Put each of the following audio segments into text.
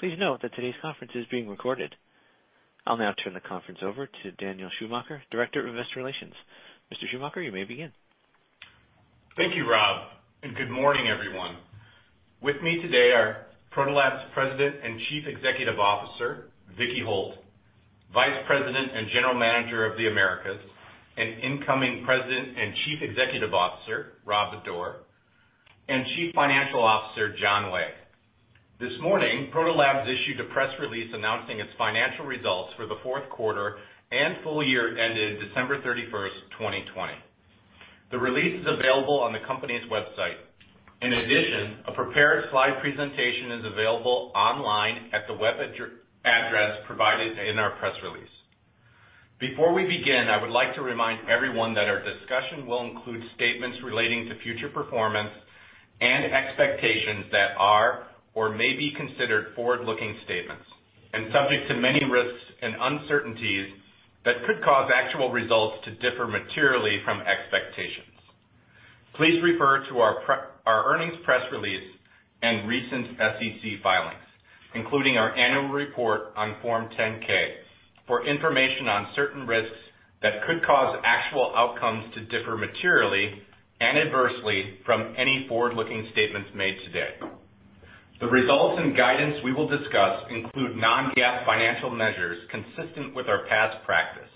Please note that today's conference is being recorded. I'll now turn the conference over to Daniel Schumacher, Director of Investor Relations. Mr. Schumacher, you may begin. Thank you, Rob, and good morning, everyone. With me today are Proto Labs President and Chief Executive Officer, Vicki Holt, Vice President and General Manager of the Americas, and incoming President and Chief Executive Officer, Rob Bodor, and Chief Financial Officer, John Way. This morning, Proto Labs issued a press release announcing its financial results for the fourth quarter and full year ended December 31st, 2020. The release is available on the company's website. In addition, a prepared slide presentation is available online at the web address provided in our press release. Before we begin, I would like to remind everyone that our discussion will include statements relating to future performance and expectations that are or may be considered forward-looking statements, and subject to many risks and uncertainties that could cause actual results to differ materially from expectations. Please refer to our earnings press release and recent SEC filings, including our annual report on Form 10-K, for information on certain risks that could cause actual outcomes to differ materially and adversely from any forward-looking statements made today. The results and guidance we will discuss include non-GAAP financial measures consistent with our past practice.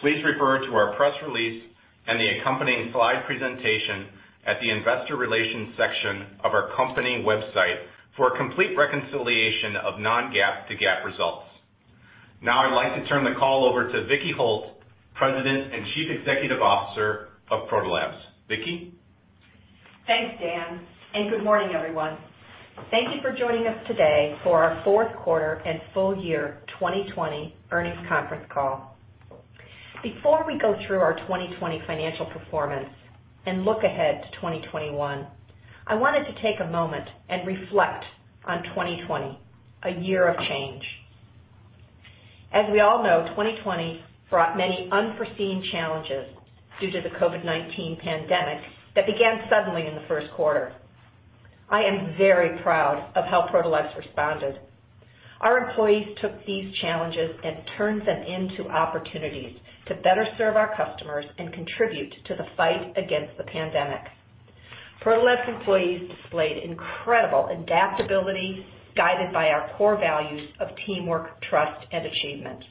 Please refer to our press release and the accompanying slide presentation at the investor relations section of our company website for a complete reconciliation of non-GAAP to GAAP results. I'd like to turn the call over to Vicki Holt, President and Chief Executive Officer of Proto Labs. Vicki? Thanks, Dan. Good morning, everyone. Thank you for joining us today for our fourth quarter and full year 2020 earnings conference call. Before we go through our 2020 financial performance and look ahead to 2021, I wanted to take a moment and reflect on 2020, a year of change. As we all know, 2020 brought many unforeseen challenges due to the COVID-19 pandemic that began suddenly in the first quarter. I am very proud of how Proto Labs responded. Our employees took these challenges and turned them into opportunities to better serve our customers and contribute to the fight against the pandemic. Proto Labs employees displayed incredible adaptability, guided by our core values of teamwork, trust, and achievement.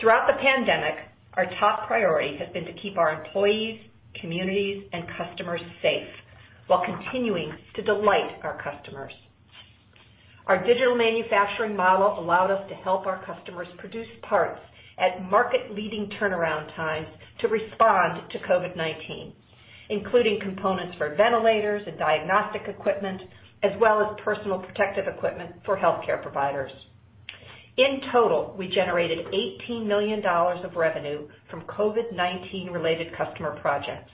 Throughout the pandemic, our top priority has been to keep our employees, communities, and customers safe while continuing to delight our customers. Our digital manufacturing model allowed us to help our customers produce parts at market-leading turnaround times to respond to COVID-19, including components for ventilators and diagnostic equipment, as well as personal protective equipment for healthcare providers. In total, we generated $18 million of revenue from COVID-19 related customer projects.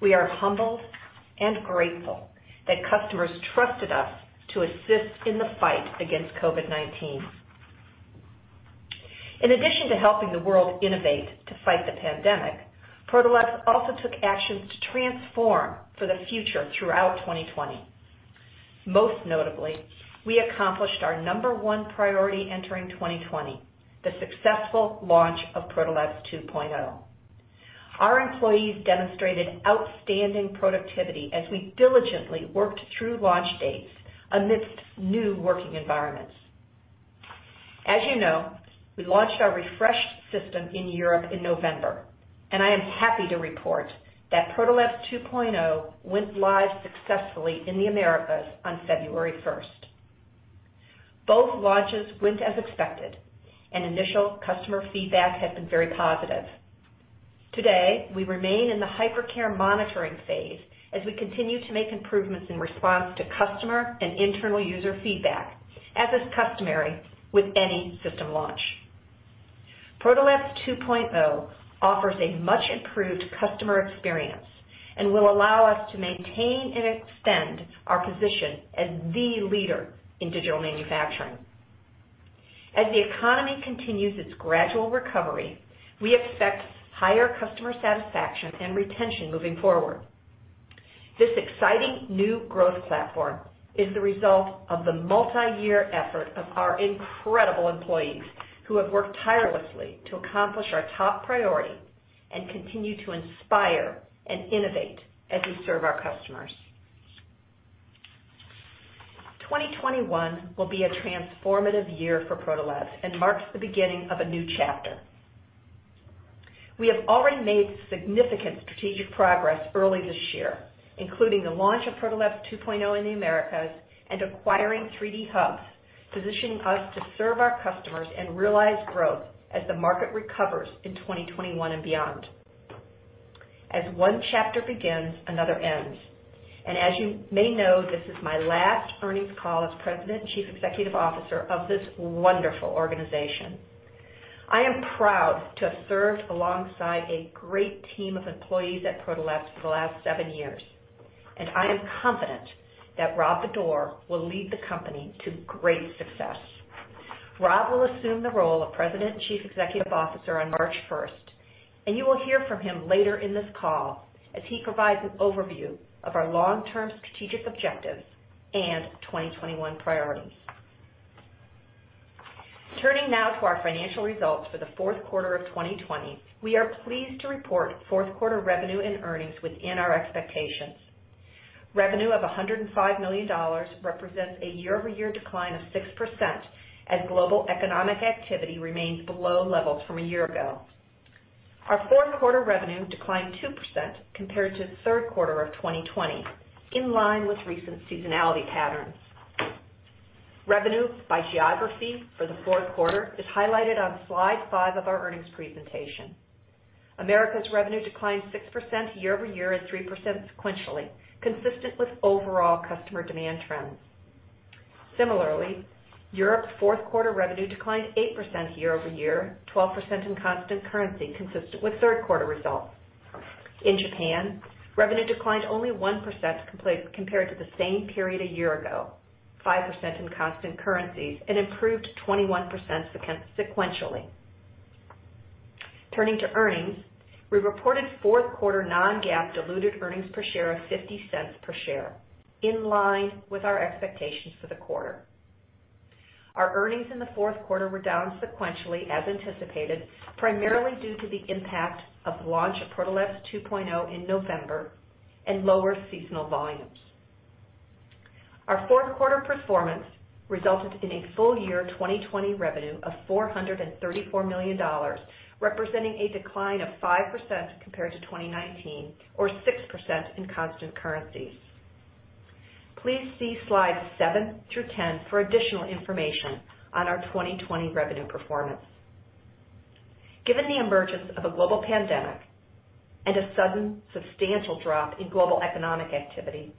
We are humbled and grateful that customers trusted us to assist in the fight against COVID-19. In addition to helping the world innovate to fight the pandemic, Proto Labs also took actions to transform for the future throughout 2020. Most notably, we accomplished our number one priority entering 2020, the successful launch of Protolabs 2.0. Our employees demonstrated outstanding productivity as we diligently worked through launch dates amidst new working environments. As you know, we launched our refreshed system in Europe in November, and I am happy to report that Protolabs 2.0 went live successfully in the Americas on February 1st. Both launches went as expected, and initial customer feedback has been very positive. Today, we remain in the hypercare monitoring phase as we continue to make improvements in response to customer and internal user feedback, as is customary with any system launch. Protolabs 2.0 offers a much improved customer experience and will allow us to maintain and extend our position as the leader in digital manufacturing. As the economy continues its gradual recovery, we expect higher customer satisfaction and retention moving forward. This exciting new growth platform is the result of the multi-year effort of our incredible employees who have worked tirelessly to accomplish our top priority and continue to inspire and innovate as we serve our customers. 2021 will be a transformative year for Proto Labs and marks the beginning of a new chapter. We have already made significant strategic progress early this year, including the launch of Protolabs 2.0 in the Americas and acquiring 3D Hubs, positioning us to serve our customers and realize growth as the market recovers in 2021 and beyond. As one chapter begins, another ends, and as you may know, this is my last earnings call as President and Chief Executive Officer of this wonderful organization. I am proud to have served alongside a great team of employees at Proto Labs for the last seven years, and I am confident that Rob Bodor will lead the company to great success. Rob will assume the role of President and Chief Executive Officer on March 1st, and you will hear from him later in this call as he provides an overview of our long-term strategic objectives and 2021 priorities. Turning now to our financial results for the fourth quarter of 2020, we are pleased to report fourth quarter revenue and earnings within our expectations. Revenue of $105 million represents a year-over-year decline of 6% as global economic activity remains below levels from a year ago. Our fourth quarter revenue declined 2% compared to the third quarter of 2020, in line with recent seasonality patterns. Revenue by geography for the fourth quarter is highlighted on slide five of our earnings presentation. Americas revenue declined 6% year-over-year and 3% sequentially, consistent with overall customer demand trends. Similarly, Europe's fourth quarter revenue declined 8% year-over-year, 12% in constant currency, consistent with third quarter results. In Japan, revenue declined only 1% compared to the same period a year ago, 5% in constant currencies and improved 21% sequentially. Turning to earnings, we reported fourth quarter non-GAAP diluted earnings per share of $0.50 per share, in line with our expectations for the quarter. Our earnings in the fourth quarter were down sequentially as anticipated, primarily due to the impact of the launch of Protolabs 2.0 in November and lower seasonal volumes. Our fourth quarter performance resulted in a full year 2020 revenue of $434 million, representing a decline of 5% compared to 2019 or 6% in constant currencies. Please see slides seven through 10 for additional information on our 2020 revenue performance. Given the emergence of a global pandemic and a sudden substantial drop in global economic activity,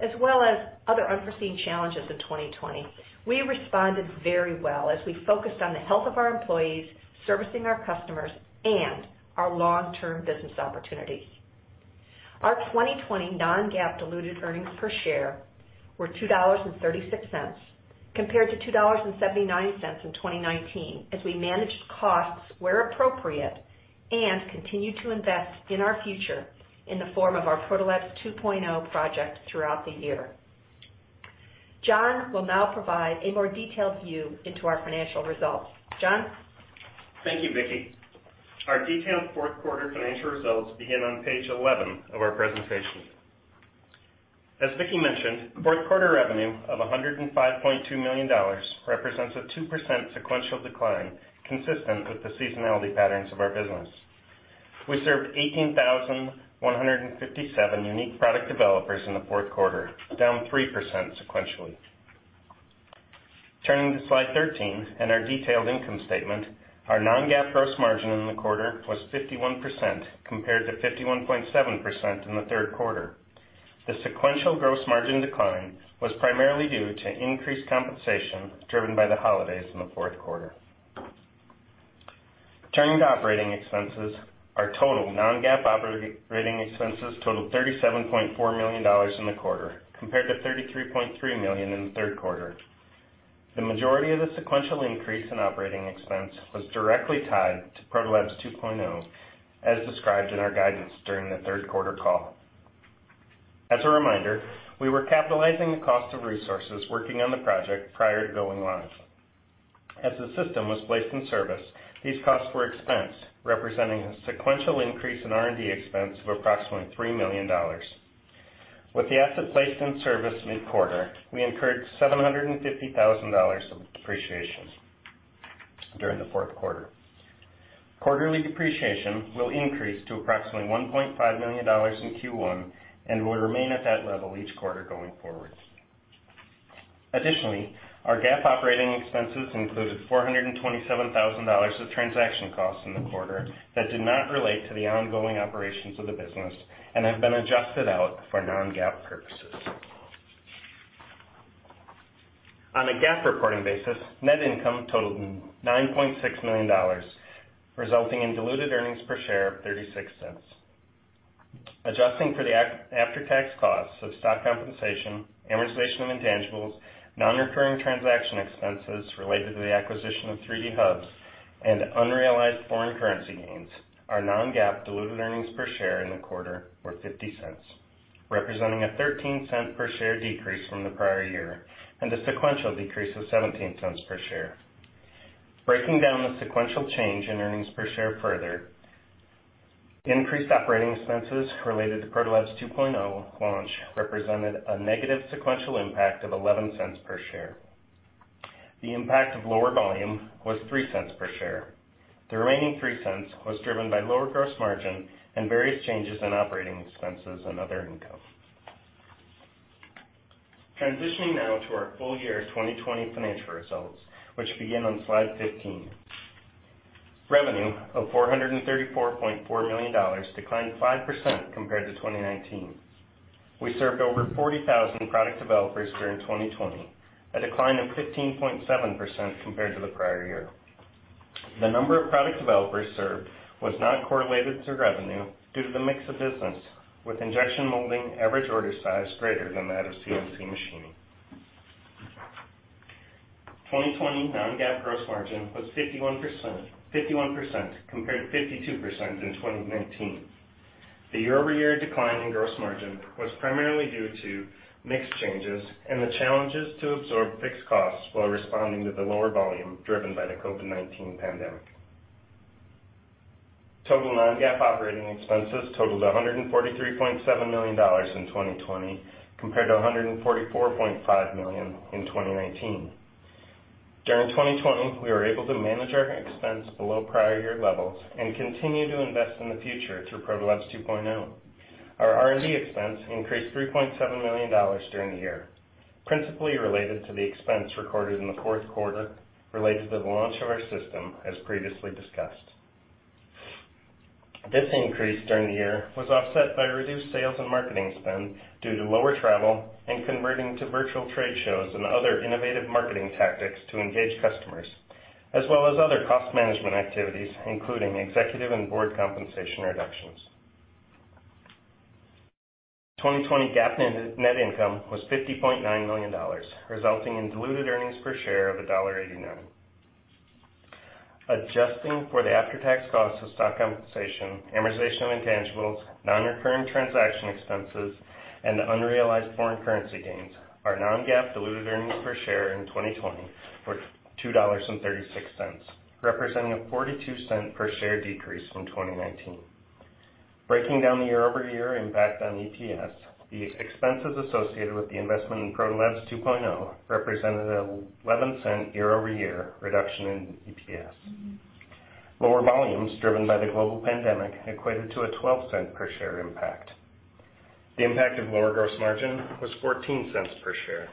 as well as other unforeseen challenges in 2020, we responded very well as we focused on the health of our employees, servicing our customers, and our long-term business opportunities. Our 2020 non-GAAP diluted earnings per share were $2.36 compared to $2.79 in 2019 as we managed costs where appropriate and continued to invest in our future in the form of our Protolabs 2.0 project throughout the year. John will now provide a more detailed view into our financial results. John? Thank you, Vicki. Our detailed fourth quarter financial results begin on page 11 of our presentation. As Vicki mentioned, fourth quarter revenue of $105.2 million represents a 2% sequential decline consistent with the seasonality patterns of our business. We served 18,157 unique product developers in the fourth quarter, down 3% sequentially. Turning to slide 13 and our detailed income statement, our non-GAAP gross margin in the quarter was 51% compared to 51.7% in the third quarter. The sequential gross margin decline was primarily due to increased compensation driven by the holidays in the fourth quarter. Turning to operating expenses, our total non-GAAP operating expenses totaled $37.4 million in the quarter, compared to $33.3 million in the third quarter. The majority of the sequential increase in operating expense was directly tied to Protolabs 2.0, as described in our guidance during the third quarter call. As a reminder, we were capitalizing the cost of resources working on the project prior to going live. As the system was placed in service, these costs were expensed, representing a sequential increase in R&D expense of approximately $3 million. With the asset placed in service mid-quarter, we incurred $750,000 of depreciation during the fourth quarter. Quarterly depreciation will increase to approximately $1.5 million in Q1 and will remain at that level each quarter going forward. Additionally, our GAAP operating expenses included $427,000 of transaction costs in the quarter that did not relate to the ongoing operations of the business and have been adjusted out for non-GAAP purposes. On a GAAP reporting basis, net income totaled $9.6 million, resulting in diluted earnings per share of $0.36. Adjusting for the after-tax costs of stock compensation, amortization of intangibles, non-recurring transaction expenses related to the acquisition of 3D Hubs, and unrealized foreign currency gains, our non-GAAP diluted earnings per share in the quarter were $0.50, representing a $0.13 per share decrease from the prior year and a sequential decrease of $0.17 per share. Breaking down the sequential change in earnings per share further, increased operating expenses related to Protolabs 2.0 launch represented a negative sequential impact of $0.11 per share. The impact of lower volume was $0.03 per share. The remaining $0.03 was driven by lower gross margin and various changes in operating expenses and other income. Transitioning now to our full year 2020 financial results, which begin on slide 15. Revenue of $434.4 million declined 5% compared to 2019. We served over 40,000 product developers during 2020, a decline of 15.7% compared to the prior year. The number of product developers served was not correlated to revenue due to the mix of business, with injection molding average order size greater than that of CNC machining. 2020 non-GAAP gross margin was 51%, compared to 52% in 2019. The year-over-year decline in gross margin was primarily due to mix changes and the challenges to absorb fixed costs while responding to the lower volume driven by the COVID-19 pandemic. Total non-GAAP operating expenses totaled $143.7 million in 2020, compared to $144.5 million in 2019. During 2020, we were able to manage our expense below prior year levels and continue to invest in the future through Protolabs 2.0. Our R&D expense increased $3.7 million during the year, principally related to the expense recorded in the fourth quarter related to the launch of our system, as previously discussed. This increase during the year was offset by reduced sales and marketing spend due to lower travel and converting to virtual trade shows and other innovative marketing tactics to engage customers, as well as other cost management activities, including executive and board compensation reductions. 2020 GAAP net income was $50.9 million, resulting in diluted earnings per share of $1.89. Adjusting for the after-tax cost of stock compensation, amortization of intangibles, non-recurring transaction expenses, and the unrealized foreign currency gains, our non-GAAP diluted earnings per share in 2020 were $2.36, representing a $0.42 per share decrease from 2019. Breaking down the year-over-year impact on EPS, the expenses associated with the investment in Protolabs 2.0 represented an $0.11 year-over-year reduction in EPS. Lower volumes driven by the global pandemic equated to a $0.12 per share impact. The impact of lower gross margin was $0.14 per share.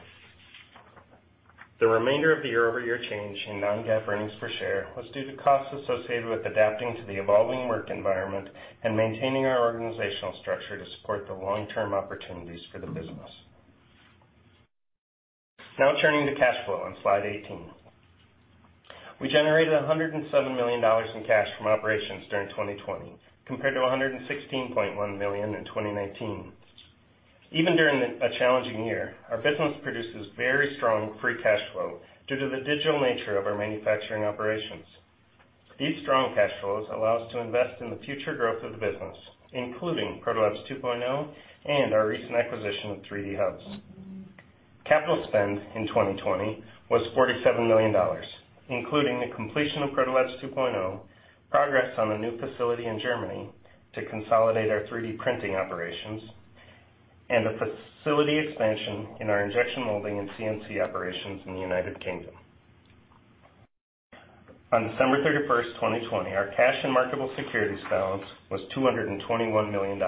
The remainder of the year-over-year change in non-GAAP earnings per share was due to costs associated with adapting to the evolving work environment and maintaining our organizational structure to support the long-term opportunities for the business. Turning to cash flow on slide 18. We generated $107 million in cash from operations during 2020, compared to $116.1 million in 2019. Even during a challenging year, our business produces very strong free cash flow due to the digital manufacturing nature of our operations. These strong cash flows allow us to invest in the future growth of the business, including Protolabs 2.0 and our recent acquisition of 3D Hubs. Capital spend in 2020 was $47 million, including the completion of Protolabs 2.0, progress on a new facility in Germany to consolidate our 3D printing operations, and the facility expansion in our injection molding and CNC operations in the United Kingdom. On December 31st, 2020, our cash and marketable securities balance was $221 million.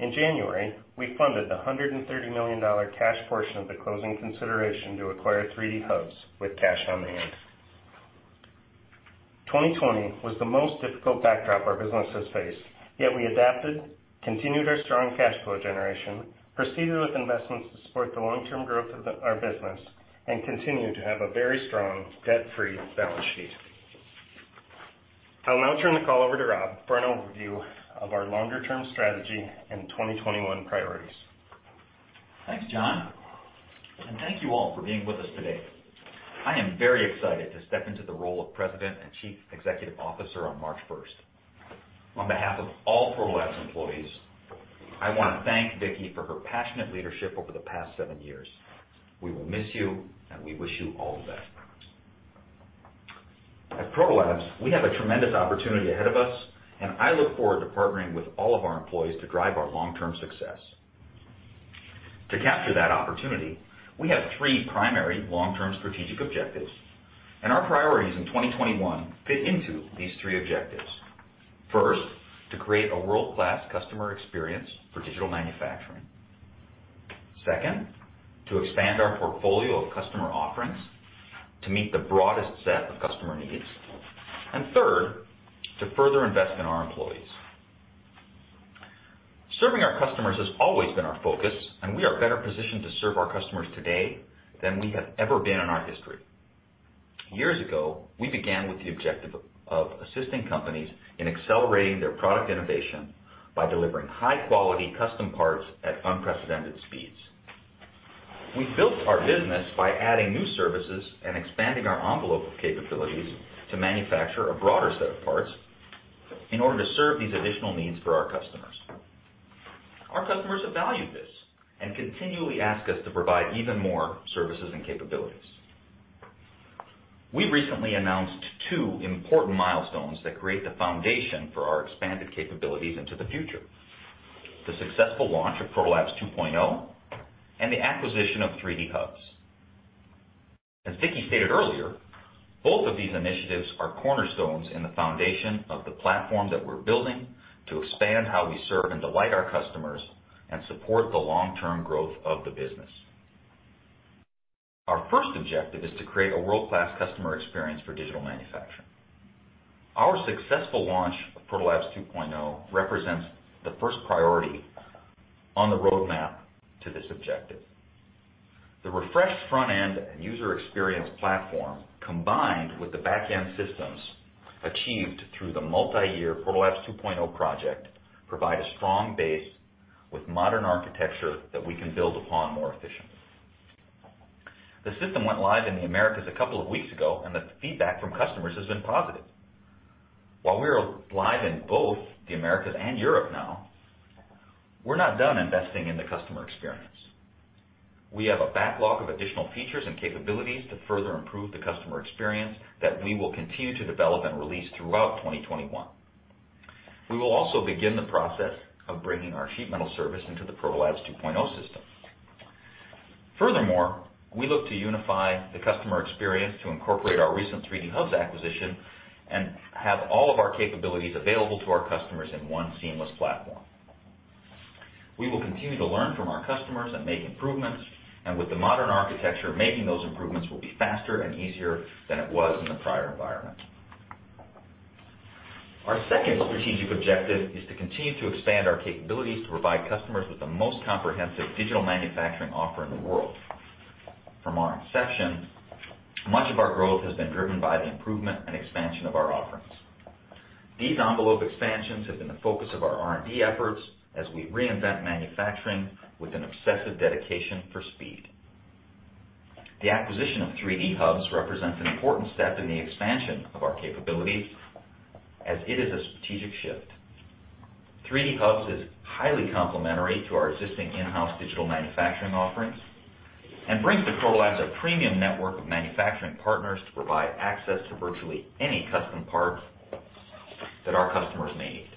In January, we funded the $130 million cash portion of the closing consideration to acquire 3D Hubs with cash on hand. 2020 was the most difficult backdrop our business has faced, yet we adapted, continued our strong cash flow generation, proceeded with investments to support the long-term growth of our business, and continue to have a very strong debt-free balance sheet. I'll now turn the call over to Rob for an overview of our longer term strategy and 2021 priorities. Thanks, John, and thank you all for being with us today. I am very excited to step into the role of President and Chief Executive Officer on March 1st. On behalf of all Proto Labs employees, I want to thank Vicki for her passionate leadership over the past seven years. We will miss you, and we wish you all the best. At Proto Labs, we have a tremendous opportunity ahead of us, and I look forward to partnering with all of our employees to drive our long-term success. To capture that opportunity, we have three primary long-term strategic objectives, and our priorities in 2021 fit into these three objectives. First, to create a world-class customer experience for digital manufacturing. Second, to expand our portfolio of customer offerings to meet the broadest set of customer needs. Third, to further invest in our employees. Serving our customers has always been our focus, and we are better positioned to serve our customers today than we have ever been in our history. Years ago, we began with the objective of assisting companies in accelerating their product innovation by delivering high-quality custom parts at unprecedented speeds. We built our business by adding new services and expanding our envelope of capabilities to manufacture a broader set of parts in order to serve these additional needs for our customers. Our customers have valued this and continually ask us to provide even more services and capabilities. We recently announced two important milestones that create the foundation for our expanded capabilities into the future. The successful launch of Protolabs 2.0 and the acquisition of 3D Hubs. As Vicki stated earlier, both of these initiatives are cornerstones in the foundation of the platform that we're building to expand how we serve and delight our customers and support the long-term growth of the business. Our first objective is to create a world-class customer experience for digital manufacturing. Our successful launch of Protolabs 2.0 represents the first priority on the roadmap to this objective. The refreshed front end and user experience platform, combined with the back end systems achieved through the multi-year Protolabs 2.0 project, provide a strong base with modern architecture that we can build upon more efficiently. The system went live in the Americas a couple of weeks ago, and the feedback from customers has been positive. While we are live in both the Americas and Europe now, we're not done investing in the customer experience. We have a backlog of additional features and capabilities to further improve the customer experience that we will continue to develop and release throughout 2021. We will also begin the process of bringing our sheet metal service into the Protolabs 2.0 system. We look to unify the customer experience to incorporate our recent 3D Hubs acquisition, and have all of our capabilities available to our customers in one seamless platform. We will continue to learn from our customers and make improvements, and with the modern architecture, making those improvements will be faster and easier than it was in the prior environment. Our second strategic objective is to continue to expand our capabilities to provide customers with the most comprehensive digital manufacturing offer in the world. From our inception, much of our growth has been driven by the improvement and expansion of our offerings. These envelope expansions have been the focus of our R&D efforts as we reinvent manufacturing with an obsessive dedication for speed. The acquisition of 3D Hubs represents an important step in the expansion of our capabilities as it is a strategic shift. 3D Hubs is highly complementary to our existing in-house digital manufacturing offerings and brings to Proto Labs a premium network of manufacturing partners to provide access to virtually any custom part that our customers may need.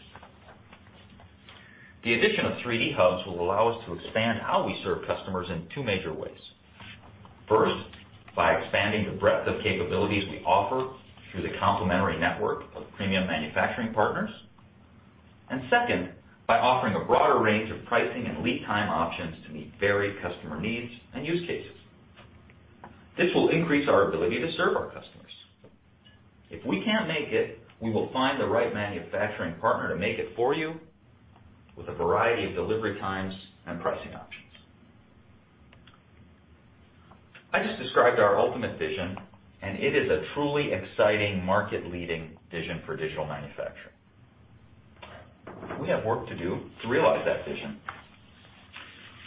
The addition of 3D Hubs will allow us to expand how we serve customers in two major ways. First, by expanding the breadth of capabilities we offer through the complementary network of premium manufacturing partners. Second, by offering a broader range of pricing and lead time options to meet varied customer needs and use cases. This will increase our ability to serve our customers. If we can't make it, we will find the right manufacturing partner to make it for you with a variety of delivery times and pricing options. I just described our ultimate vision, and it is a truly exciting market leading vision for digital manufacturing. We have work to do to realize that vision.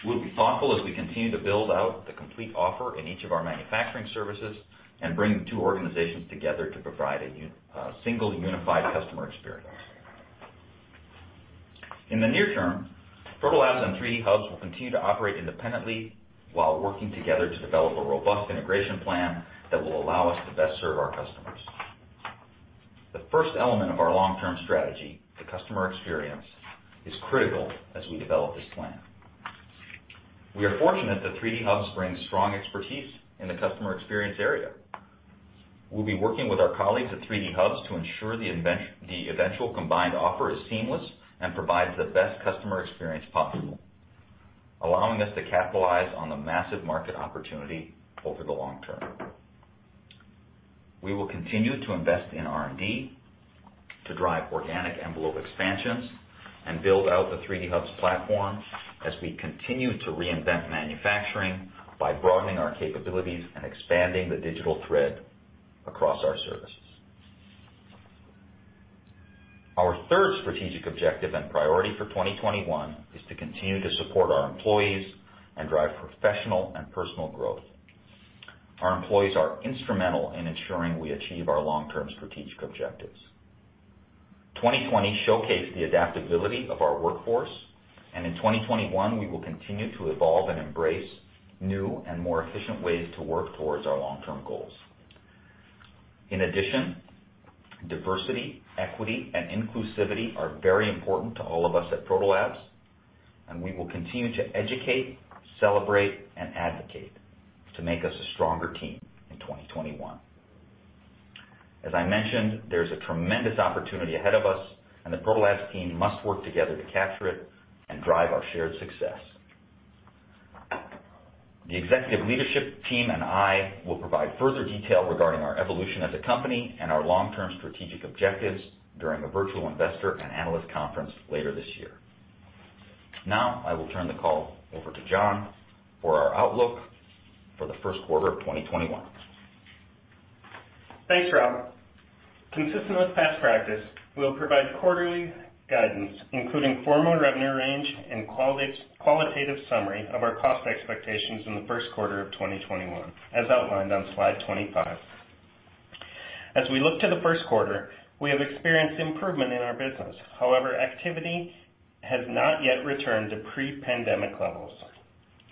We'll be thoughtful as we continue to build out the complete offer in each of our manufacturing services and bring the two organizations together to provide a single unified customer experience. In the near term, Proto Labs and 3D Hubs will continue to operate independently while working together to develop a robust integration plan that will allow us to best serve our customers. The first element of our long term strategy, the customer experience, is critical as we develop this plan. We are fortunate that 3D Hubs brings strong expertise in the customer experience area. We'll be working with our colleagues at 3D Hubs to ensure the eventual combined offer is seamless and provides the best customer experience possible, allowing us to capitalize on the massive market opportunity over the long term. We will continue to invest in R&D to drive organic envelope expansions and build out the 3D Hubs platform as we continue to reinvent manufacturing by broadening our capabilities and expanding the digital thread across our services. Our third strategic objective and priority for 2021 is to continue to support our employees and drive professional and personal growth. Our employees are instrumental in ensuring we achieve our long term strategic objectives. 2020 showcased the adaptability of our workforce, in 2021, we will continue to evolve and embrace new and more efficient ways to work towards our long term goals. In addition, diversity, equity, and inclusivity are very important to all of us at Proto Labs, and we will continue to educate, celebrate, and advocate to make us a stronger team in 2021. As I mentioned, there's a tremendous opportunity ahead of us, and the Proto Labs team must work together to capture it and drive our shared success. The executive leadership team and I will provide further detail regarding our evolution as a company and our long term strategic objectives during the Virtual Investor and Analyst Conference later this year. Now, I will turn the call over to John for our outlook for the first quarter of 2021. Thanks, Rob. Consistent with past practice, we'll provide quarterly guidance, including formal revenue range and qualitative summary of our cost expectations in the first quarter of 2021, as outlined on slide 25. As we look to the first quarter, we have experienced improvement in our business. However, activity has not yet returned to pre-pandemic levels.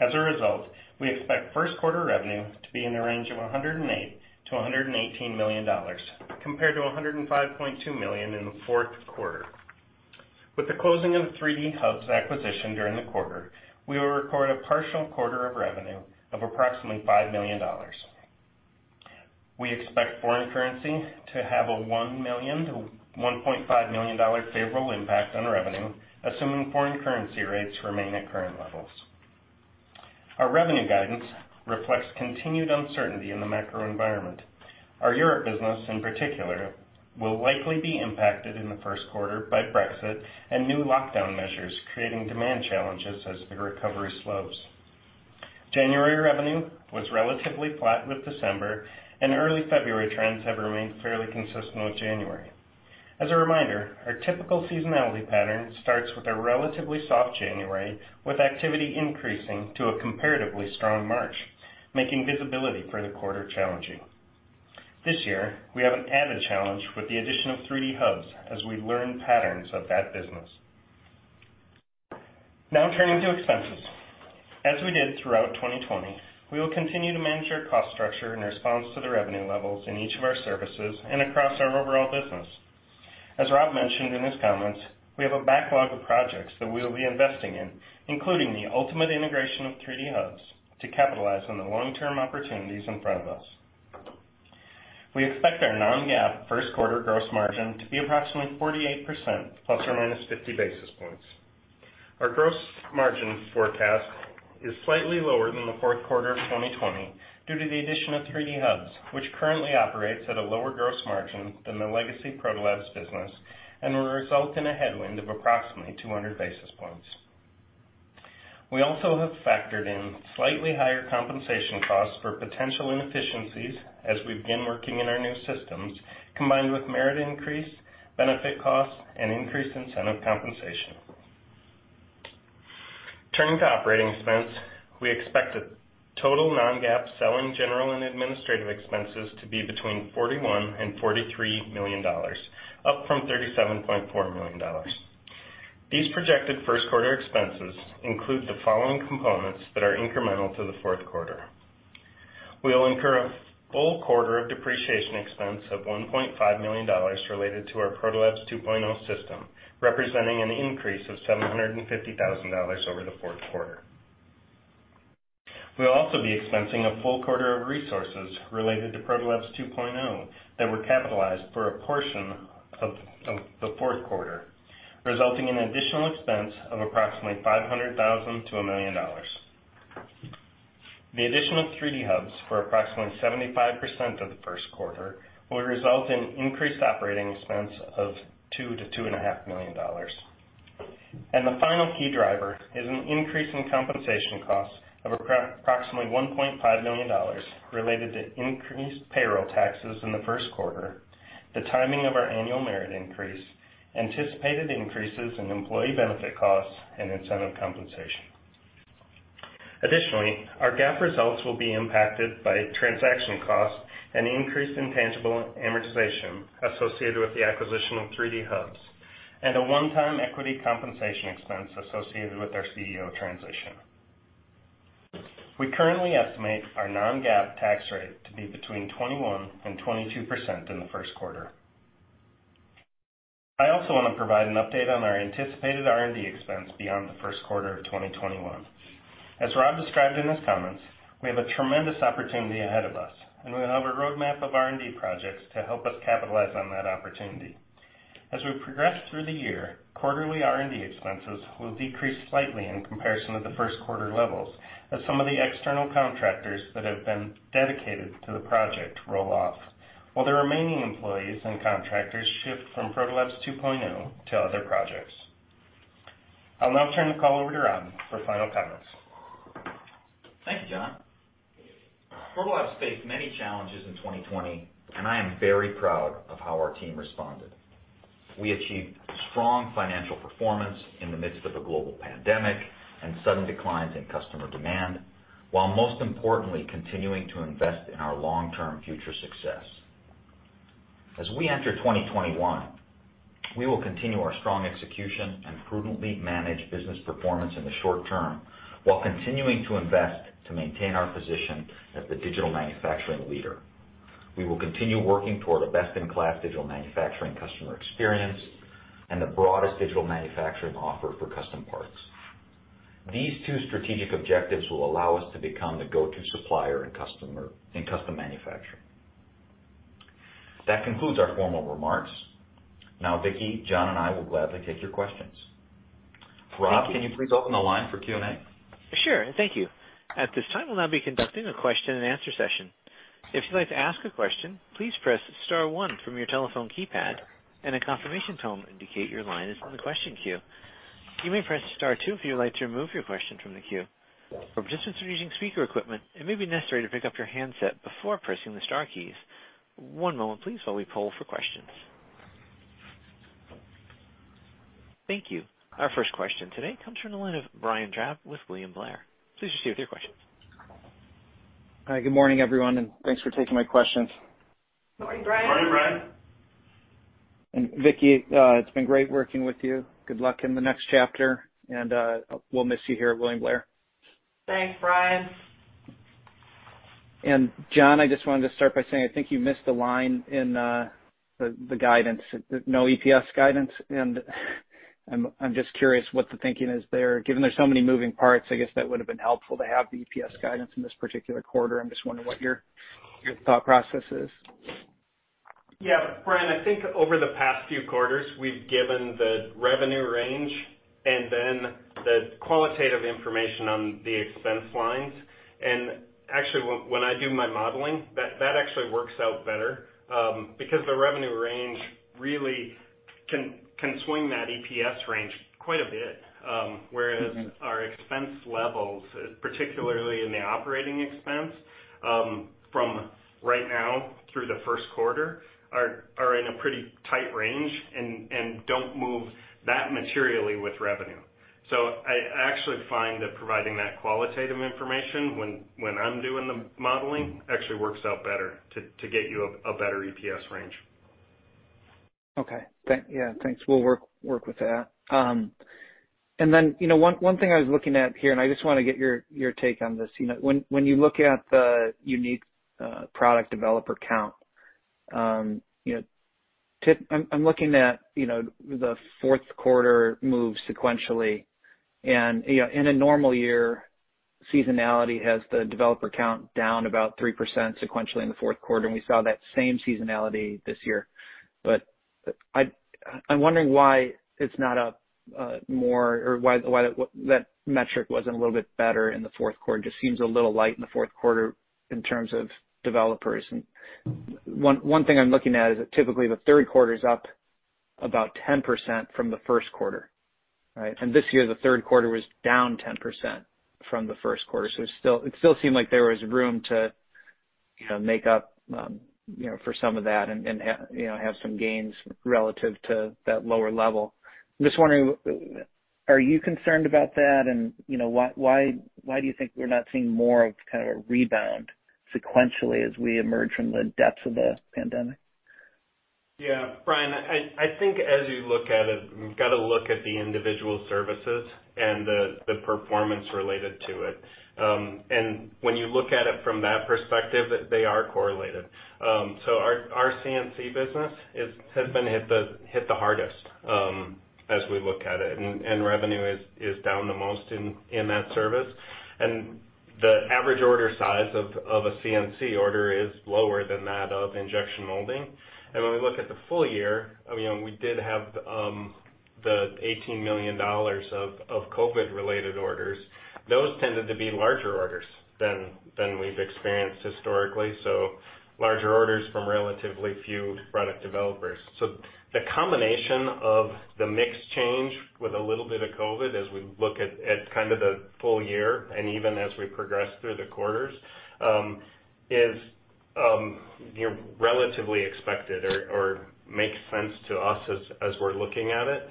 As a result, we expect first quarter revenue to be in the range of $108 million-$118 million, compared to $105.2 million in the fourth quarter. With the closing of the 3D Hubs acquisition during the quarter, we will record a partial quarter of revenue of approximately $5 million. We expect foreign currency to have a $1 million-$1.5 million favorable impact on revenue, assuming foreign currency rates remain at current levels. Our revenue guidance reflects continued uncertainty in the macro environment. Our Europe business in particular, will likely be impacted in the first quarter by Brexit and new lockdown measures, creating demand challenges as the recovery slows. January revenue was relatively flat with December, and early February trends have remained fairly consistent with January. As a reminder, our typical seasonality pattern starts with a relatively soft January, with activity increasing to a comparatively strong March, making visibility for the quarter challenging. This year, we have an added challenge with the addition of 3D Hubs as we learn patterns of that business. Turning to expenses. As we did throughout 2020, we will continue to manage our cost structure in response to the revenue levels in each of our services and across our overall business. As Rob mentioned in his comments, we have a backlog of projects that we will be investing in, including the ultimate integration of 3D Hubs, to capitalize on the long-term opportunities in front of us. We expect our non-GAAP first quarter gross margin to be approximately 48%, ±50 basis points. Our gross margin forecast is slightly lower than the fourth quarter of 2020 due to the addition of 3D Hubs, which currently operates at a lower gross margin than the legacy Protolabs business and will result in a headwind of approximately 200 basis points. We also have factored in slightly higher compensation costs for potential inefficiencies as we begin working in our new systems, combined with merit increase, benefit costs, and increased incentive compensation. Turning to operating expense, we expect total non-GAAP selling, general and administrative expenses to be between $41 million-$43 million, up from $37.4 million. These projected first-quarter expenses include the following components that are incremental to the fourth quarter. We will incur a full quarter of depreciation expense of $1.5 million related to our Protolabs 2.0 system, representing an increase of $750,000 over the fourth quarter. We'll also be expensing a full quarter of resources related to Protolabs 2.0 that were capitalized for a portion of the fourth quarter, resulting in additional expense of approximately $500,000-$1 million. The addition of 3D Hubs for approximately 75% of the first quarter will result in increased operating expense of $2 million-$2.5 million. The final key driver is an increase in compensation costs of approximately $1.5 million related to increased payroll taxes in the first quarter, the timing of our annual merit increase, anticipated increases in employee benefit costs, and incentive compensation. Additionally, our GAAP results will be impacted by transaction costs and increased intangible amortization associated with the acquisition of 3D Hubs and a one-time equity compensation expense associated with our CEO transition. We currently estimate our non-GAAP tax rate to be between 21% and 22% in the first quarter. I also want to provide an update on our anticipated R&D expense beyond the first quarter of 2021. As Rob described in his comments, we have a tremendous opportunity ahead of us, and we have a roadmap of R&D projects to help us capitalize on that opportunity. As we progress through the year, quarterly R&D expenses will decrease slightly in comparison to the first quarter levels, as some of the external contractors that have been dedicated to the project roll off, while the remaining employees and contractors shift from Protolabs 2.0 to other projects. I'll now turn the call over to Rob for final comments. Thank you, John. Proto Labs faced many challenges in 2020, I am very proud of how our team responded. We achieved strong financial performance in the midst of a global pandemic and sudden declines in customer demand, while most importantly continuing to invest in our long-term future success. As we enter 2021, we will continue our strong execution and prudently manage business performance in the short term while continuing to invest to maintain our position as the digital manufacturing leader. We will continue working toward a best-in-class digital manufacturing customer experience and the broadest digital manufacturing offer for custom parts. These two strategic objectives will allow us to become the go-to supplier in custom manufacturing. That concludes our formal remarks. Now, Vicki, John, and I will gladly take your questions. Rob, can you please open the line for Q&A? Sure. Thank you. At this time, we'll now be conducting a question and answer session. If you'd like to ask a question, please press star one from your telephone keypad. A confirmation tone indicate your line is in the question queue. You may press star two if you would like to remove your question from the queue. Participants using speaker equipment, it may be necessary to pick up your handset before pressing the star keys. One moment please while we poll for questions. Thank you. Our first question today comes from the line of Brian Drab with William Blair. Please proceed with your question. Hi. Good morning, everyone, and thanks for taking my questions. Morning, Brian. Morning, Brian. Vicki, it's been great working with you. Good luck in the next chapter, and we'll miss you here at William Blair. Thanks, Brian. John, I just wanted to start by saying I think you missed a line in the guidance. No EPS guidance, I'm just curious what the thinking is there. Given there's so many moving parts, I guess that would've been helpful to have the EPS guidance in this particular quarter. I'm just wondering what your thought process is. Yeah. Brian, I think over the past few quarters, we've given the revenue range and then the qualitative information on the expense lines. Actually, when I do my modeling, that actually works out better, because the revenue range really can swing that EPS range quite a bit. Whereas our expense levels, particularly in the operating expense, from right now through the first quarter, are in a pretty tight range and don't move that materially with revenue. I actually find that providing that qualitative information when I'm doing the modeling actually works out better to get you a better EPS range. Okay. Yeah, thanks. We'll work with that. One thing I was looking at here, and I just want to get your take on this. When you look at the unique product developer count, I'm looking at the fourth quarter move sequentially and, in a normal year, seasonality has the developer count down about 3% sequentially in the fourth quarter, and we saw that same seasonality this year. I'm wondering why it's not up more or why that metric wasn't a little bit better in the fourth quarter. Just seems a little light in the fourth quarter in terms of developers. One thing I'm looking at is that typically the third quarter is up about 10% from the first quarter, right? This year, the third quarter was down 10% from the first quarter. It still seemed like there was room to make up for some of that and have some gains relative to that lower level. I'm just wondering, are you concerned about that? Why do you think we're not seeing more of kind of a rebound sequentially as we emerge from the depths of the pandemic? Yeah. Brian, I think as you look at it, you've got to look at the individual services and the performance related to it. When you look at it from that perspective, they are correlated. Our CNC business has been hit the hardest, as we look at it, and revenue is down the most in that service. The average order size of a CNC order is lower than that of injection molding. When we look at the full year, we did have the $18 million of COVID-related orders. Those tended to be larger orders than we've experienced historically, so larger orders from relatively few product developers. The combination of the mix change with a little bit of COVID as we look at kind of the full year, and even as we progress through the quarters, is relatively expected or makes sense to us as we're looking at it.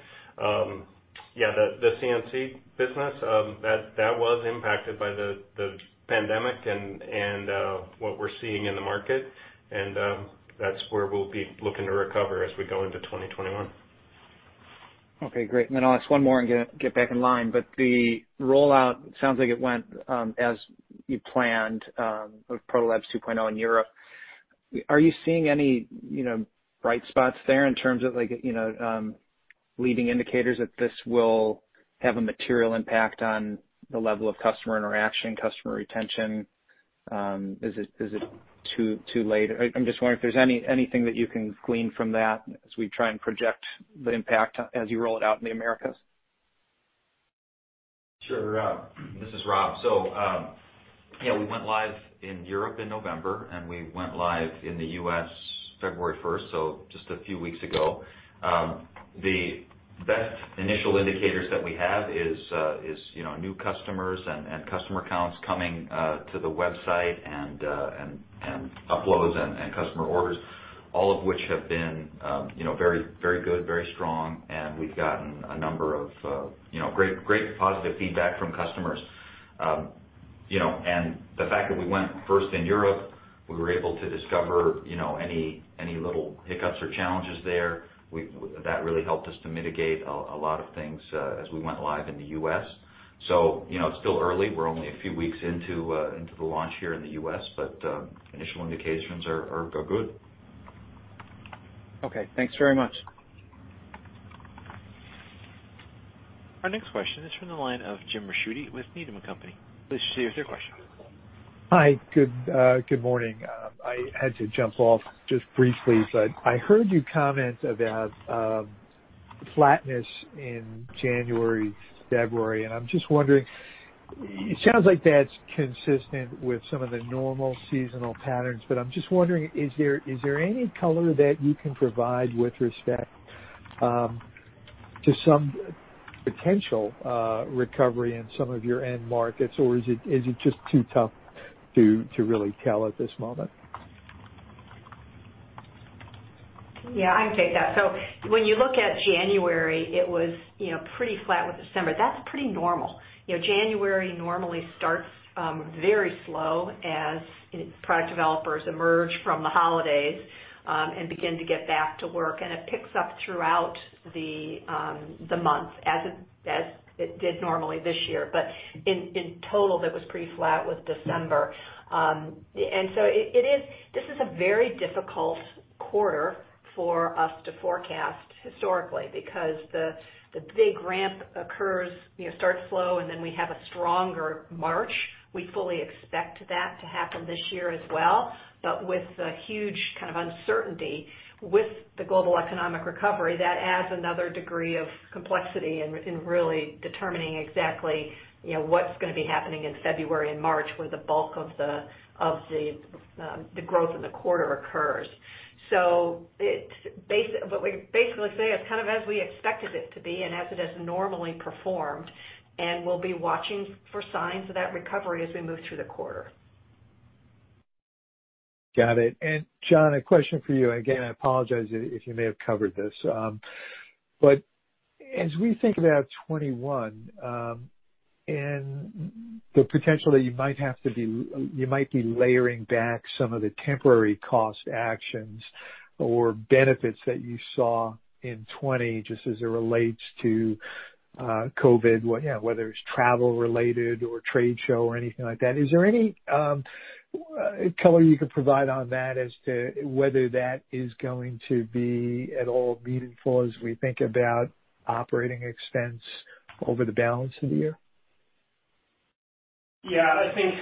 Yeah, the CNC business, that was impacted by the pandemic and what we're seeing in the market, and that's where we'll be looking to recover as we go into 2021. Okay, great. I'll ask one more and get back in line. The rollout sounds like it went as you planned, with Protolabs 2.0 in Europe. Are you seeing any bright spots there in terms of leading indicators that this will have a material impact on the level of customer interaction, customer retention? Is it too late? I'm just wondering if there's anything that you can glean from that as we try and project the impact as you roll it out in the Americas. Sure. Rob. This is Rob. Yeah, we went live in Europe in November, and we went live in the U.S. February 1st, just a few weeks ago. The best initial indicators that we have is new customers and customer accounts coming to the website and uploads and customer orders, all of which have been very good, very strong, we've gotten a number of great positive feedback from customers. The fact that we went first in Europe, we were able to discover any little hiccups or challenges there. That really helped us to mitigate a lot of things as we went live in the U.S. It's still early. We're only a few weeks into the launch here in the U.S., initial indications are good. Okay, thanks very much. Our next question is from the line of Jim Ricchiuti with Needham & Company. Please share your question. Hi. Good morning. I had to jump off just briefly, but I heard you comment about flatness in January, February, and I'm just wondering, it sounds like that's consistent with some of the normal seasonal patterns, but I'm just wondering, is there any color that you can provide with respect to some potential recovery in some of your end markets, or is it just too tough to really tell at this moment? Yeah, I can take that. When you look at January, it was pretty flat with December. That's pretty normal. January normally starts very slow as product developers emerge from the holidays, and begin to get back to work, and it picks up throughout the month as it did normally this year. In total, that was pretty flat with December. This is a very difficult quarter for us to forecast historically because the big ramp occurs, starts slow, and then we have a stronger March. We fully expect that to happen this year as well. With the huge kind of uncertainty with the global economic recovery, that adds another degree of complexity in really determining exactly what's going to be happening in February and March where the bulk of the growth in the quarter occurs. What we basically say is kind of as we expected it to be and as it has normally performed, and we'll be watching for signs of that recovery as we move through the quarter. Got it. John, a question for you. Again, I apologize if you may have covered this. As we think about 2021, and the potential that you might be layering back some of the temporary cost actions or benefits that you saw in 2020, just as it relates to COVID, whether it's travel related or trade show or anything like that. Is there any color you could provide on that as to whether that is going to be at all meaningful as we think about operating expense over the balance of the year? Yeah, I think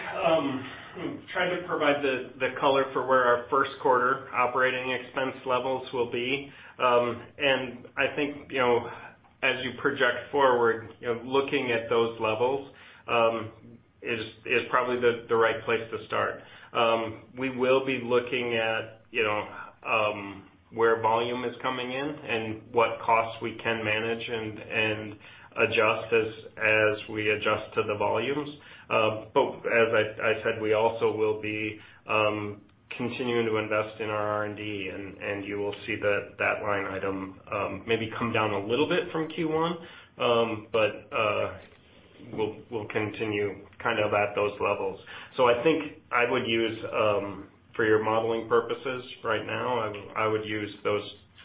trying to provide the color for where our first quarter operating expense levels will be. I think, as you project forward, looking at those levels, is probably the right place to start. We will be looking at where volume is coming in and what costs we can manage and adjust as we adjust to the volumes. As I said, we also will be continuing to invest in our R&D, and you will see that line item maybe come down a little bit from Q1. We'll continue kind of at those levels. I think I would use, for your modeling purposes right now, I would use those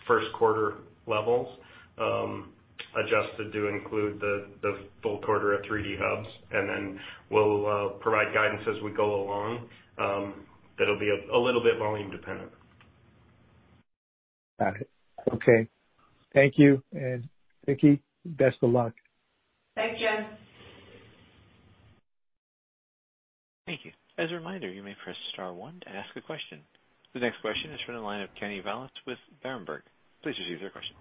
first quarter levels, adjusted to include the full quarter of 3D Hubs, and then we'll provide guidance as we go along. That'll be a little bit volume dependent. Got it. Okay. Thank you. Vicki, best of luck. Thanks, Jim. Thank you. As a reminder, you may press star one to ask a question. The next question is from the line of Kenny Vallace with Berenberg. Please proceed with your question.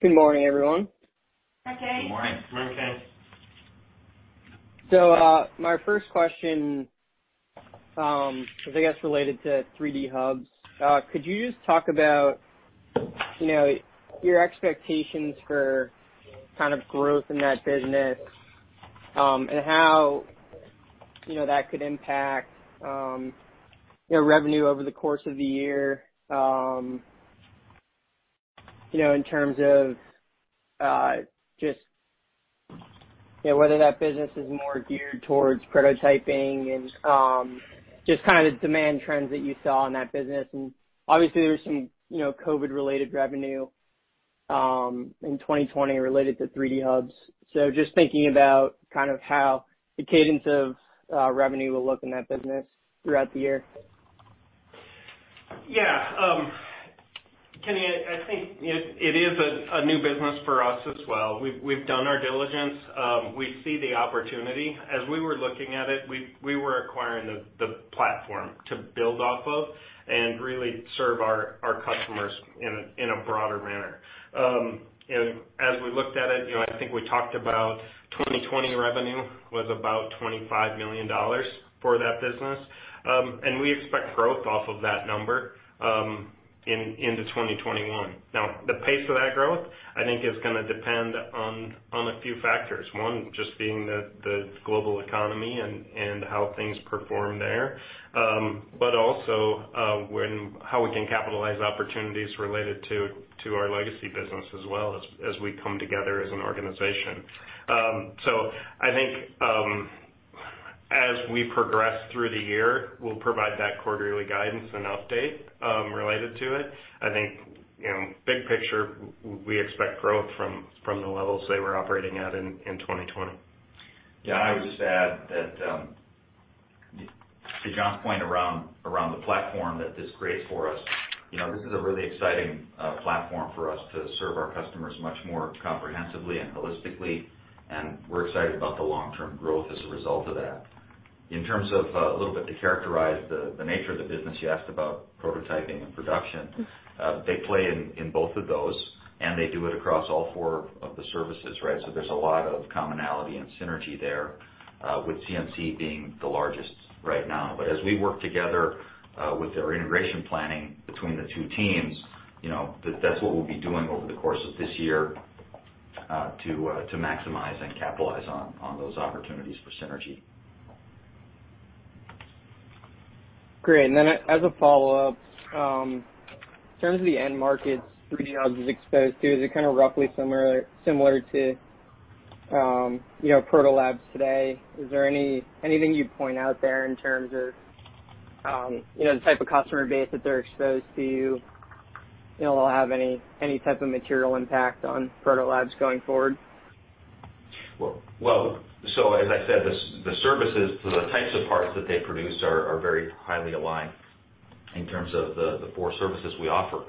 Good morning, everyone. Hi, Kenny. Good morning. Good morning, Kenny. My first question, I guess, related to 3D Hubs. Could you just talk about your expectations for kind of growth in that business, and how that could impact revenue over the course of the year, in terms of just whether that business is more geared towards prototyping and just kind of demand trends that you saw in that business. Obviously there was some COVID related revenue in 2020 related to 3D Hubs. Just thinking about kind of how the cadence of revenue will look in that business throughout the year. Yeah. Kenny, I think it is a new business for us as well. We've done our diligence. We see the opportunity. As we were looking at it, we were acquiring the platform to build off of and really serve our customers in a broader manner. As we looked at it, I think we talked about 2020 revenue was about $25 million for that business. We expect growth off of that number into 2021. Now, the pace of that growth, I think, is going to depend on a few factors. One just being the global economy and how things perform there. Also how we can capitalize opportunities related to our legacy business as well as we come together as an organization. I think as we progress through the year, we'll provide that quarterly guidance and update related to it. I think, big picture, we expect growth from the levels they were operating at in 2020. Yeah. I would just add that to John's point around the platform that this creates for us, this is a really exciting platform for us to serve our customers much more comprehensively and holistically, and we're excited about the long-term growth as a result of that. In terms of a little bit to characterize the nature of the business, you asked about prototyping and production. They play in both of those, and they do it across all four of the services, right? There's a lot of commonality and synergy there with CNC being the largest right now. As we work together with our integration planning between the two teams, that's what we'll be doing over the course of this year, to maximize and capitalize on those opportunities for synergy. Great. As a follow-up, in terms of the end markets 3D Hubs is exposed to, is it kind of roughly similar to Proto Labs today? Is there anything you'd point out there in terms of the type of customer base that they're exposed to that'll have any type of material impact on Proto Labs going forward? As I said, the services, the types of parts that they produce are very highly aligned in terms of the four services we offer.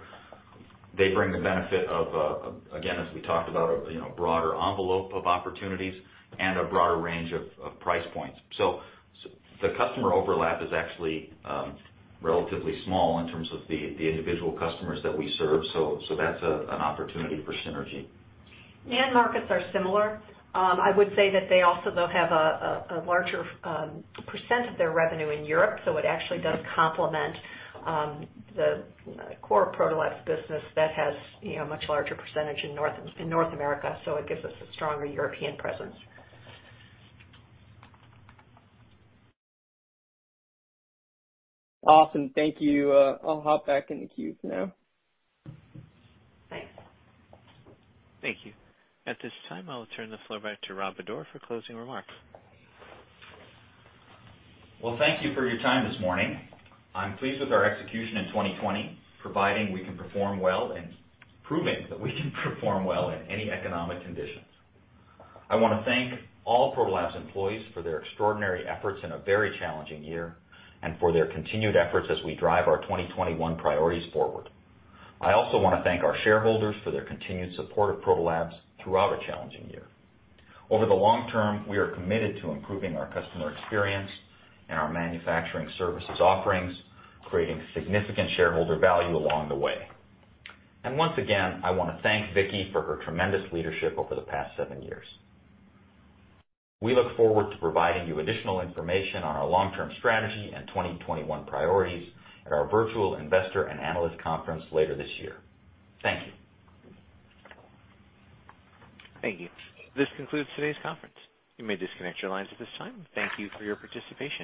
They bring the benefit of, again, as we talked about, a broader envelope of opportunities and a broader range of price points. The customer overlap is actually relatively small in terms of the individual customers that we serve. That's an opportunity for synergy. The end markets are similar. I would say that they also though have a larger percent of their revenue in Europe, it actually does complement the core Proto Labs business that has a much larger percentage in North America. It gives us a stronger European presence. Awesome. Thank you. I'll hop back in the queue for now. Thanks. Thank you. At this time, I will turn the floor back to Rob Bodor for closing remarks. Well, thank you for your time this morning. I'm pleased with our execution in 2020, providing we can perform well and proving that we can perform well in any economic conditions. I want to thank all Proto Labs employees for their extraordinary efforts in a very challenging year and for their continued efforts as we drive our 2021 priorities forward. I also want to thank our shareholders for their continued support of Proto Labs throughout a challenging year. Over the long term, we are committed to improving our customer experience and our manufacturing services offerings, creating significant shareholder value along the way. Once again, I want to thank Vicki for her tremendous leadership over the past seven years. We look forward to providing you additional information on our long-term strategy and 2021 priorities at our virtual investor and analyst conference later this year. Thank you. Thank you. This concludes today's conference. You may disconnect your lines at this time. Thank you for your participation.